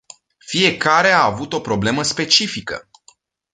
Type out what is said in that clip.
Fiecare a avut o problemă specifică.